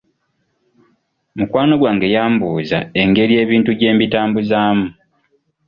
Mukwano gwange yambuuza engeri ebintu gye mbitambuzaamu.